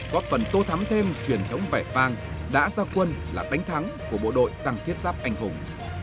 góp phần tô thắm thêm truyền thống vẻ vang đã ra quân là đánh thắng của bộ đội tăng thiết giáp anh hùng